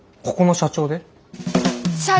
社長！？